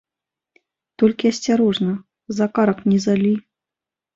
Толькі асцярожна, за карак не залі.